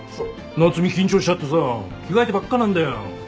夏海緊張しちゃってさ着替えてばっかなんだよ。